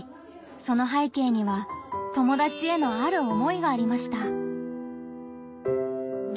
その背景には友達へのある思いがありました。